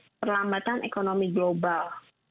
terkait perlambatan ekonomi global